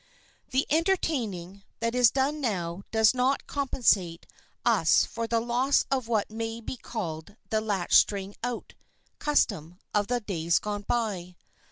The "entertaining" that is done now does not compensate us for the loss of what may be called the "latch string out" custom of the days gone by.